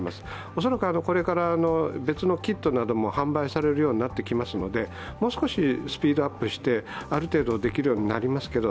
恐らくこれから別のキットなども販売されるようになってきますので、もう少しスピードアップしてある程度できるようになりますけど